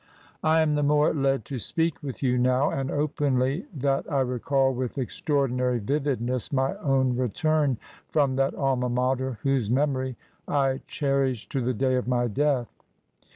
"I am the more led to speak with you now and openly that I recall with extraordinary vividness my own return from that Alma Mater whose memory I cherish to the day of my death.